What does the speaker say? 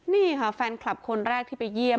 นี่ค่ะแฟนคลับคนแรกที่ไปเยี่ยม